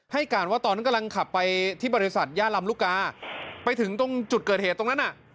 ให้การว่าตอนนั้นกำลังขับไปที่บริษัทย่าลำลูกกาไปถึงตรงจุดเกิดเหตุตรงนั้นน่ะ